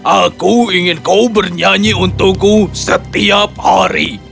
aku ingin kau bernyanyi untukku setiap hari